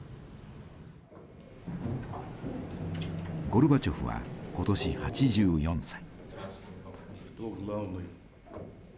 ゴルバチョフは今年８４歳。